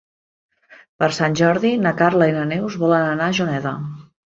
Per Sant Jordi na Carla i na Neus volen anar a Juneda.